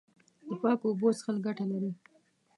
د پاکو اوبو څښل ګټه لري.